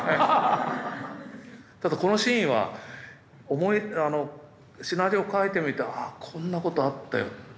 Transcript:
ただこのシーンはシナリオ書いてみて「ああこんなことあったよ」というふうに思い出してた。